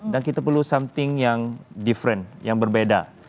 dan kita perlu something yang different yang berbeda